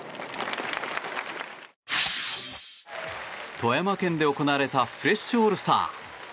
富山県で行われたフレッシュオールスター。